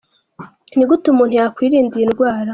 Ni gute umuntu yakwirinda iyi ndwara?.